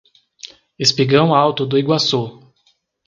Espigão Alto do Iguaçu